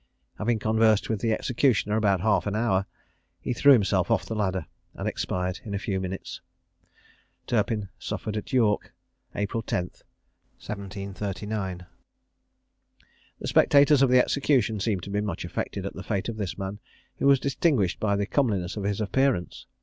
Having conversed with the executioner about half an hour, he threw himself off the ladder, and expired in a few minutes. Turpin suffered at York, April 10, 1739. The spectators of the execution seemed to be much affected at the fate of this man, who was distinguished by the comeliness of his appearance.